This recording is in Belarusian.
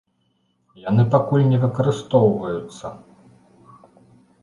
Яны пакуль не выкарыстоўваюцца.